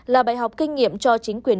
là bài học kinh nghiệm cho chính quyền